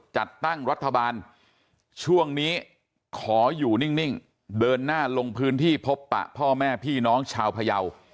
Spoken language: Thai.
จัดตั้งรัฐบาลช่วงนี้ขออยู่นิ่งเดินหน้าลงพื้นที่พบปะพ่อแม่พี่น้องชาวพยาว